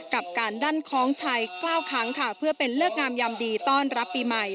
กับการดั้นคล้องชัย๙ครั้งค่ะเพื่อเป็นเลิกงามยามดีต้อนรับปีใหม่